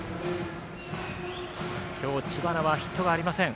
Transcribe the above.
今日、知花はヒットがありません。